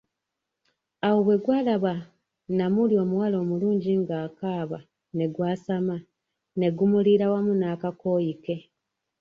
Awo bwe gwalaba Namuli omuwala omulungi ng'akaaba ne gwasama, n'egumulira wamu n'akakooyi ke.